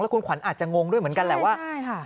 คุณขวัญอาจจะงงด้วยเหมือนกันแหละว่าใช่ค่ะ